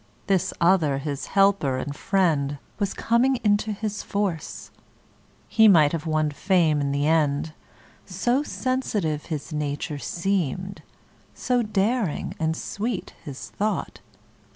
This other his helper and friend Was coming into his force; He might have won fame in the end, So sensitive his nature seemed, So daring and sweet his thought.